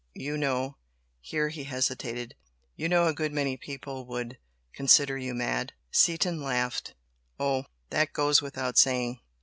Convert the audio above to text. You know" here he hesitated "you know a good many people would consider you mad " Seaton laughed. "Oh, that goes without saying!